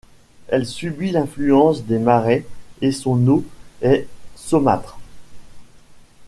Elle subit l'influence des marais et son eau est saumâtre.